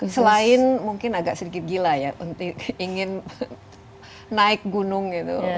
selain mungkin agak sedikit gila ya ingin naik gunung gitu